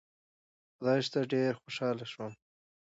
خدای شته چې ډېر خوشاله شوم.